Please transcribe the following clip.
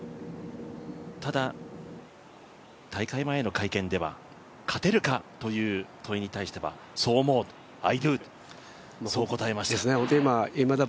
ただ、大会前の会見では勝てるかという問いに対してはそう思う、Ｉｄｏと答えました。